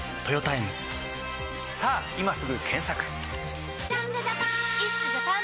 さぁ今すぐ検索！